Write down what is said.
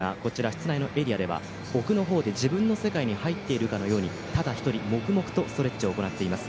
そんな中で大迫傑選手ですがこちらの室内のエリアでは、奥の方で自分の世界に入っているかのように、ただ一人、黙々とストレッチを行っています。